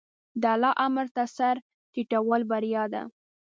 د الله امر ته سر ټیټول بریا ده.